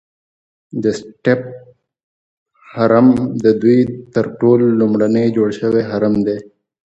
د سټیپ هرم ددوی تر ټولو لومړنی جوړ شوی هرم دی.